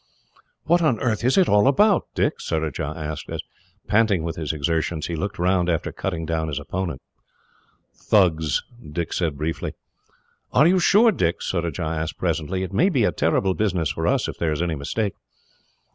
"What on earth is it all about, Dick?" Surajah asked, as, panting with his exertions, he looked round after cutting down his opponent. "Thugs," Dick said briefly. "Are you sure, Dick?" Surajah asked presently. "It may be a terrible business for us, if there is any mistake."